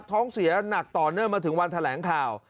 ท้องเสียหนักต่อเนื่องมาถึงวันแถลงข่าว